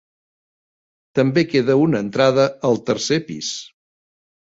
També queda una entrada al tercer pis.